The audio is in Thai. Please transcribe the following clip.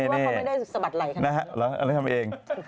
หรือว่าเขาไม่ได้สบัดไหลค่ะรู้ไหมนะฮะเอาไว้ทำเอง